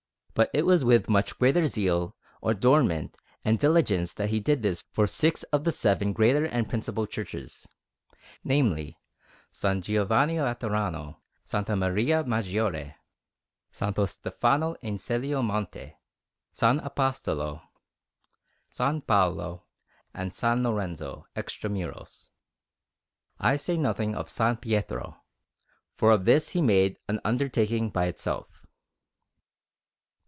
But it was with much greater zeal, adornment, and diligence that he did this for six of the seven greater and principal churches namely, S. Giovanni Laterano, S. Maria Maggiore, S. Stefano in Celio Monte, S. Apostolo, S. Paolo, and S. Lorenzo extra muros. I say nothing of S. Pietro, for of this he made an undertaking by itself.